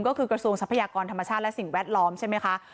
ก็คือกระทรวงทรัพยากรธรรมชาติและสิ่งแวดล้อมใช่ไหมคะ